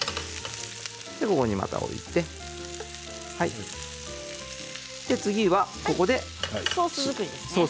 ここにバターを置いて次はここでソース作りです。